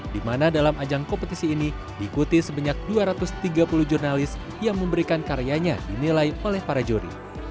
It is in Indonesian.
di mana dalam ajang kompetisi ini diikuti sebanyak dua ratus tiga puluh jurnalis yang memberikan karyanya dinilai oleh para juri